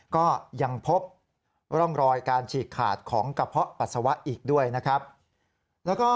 ก็ยังพบร่องรอยการฉีกขาดของกระเพาะปัสสาวะอีกด้วยนะครับแล้วก็